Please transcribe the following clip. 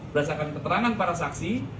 berdasarkan keterangan para saksi